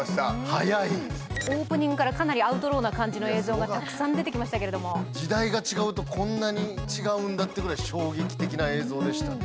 はやいオープニングからかなりアウトローな感じの映像がたくさん出てきましたけれども時代が違うとこんなに違うんだってぐらい衝撃的な映像でしたね